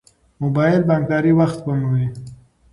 موبایل بانکداري وخت سپموي.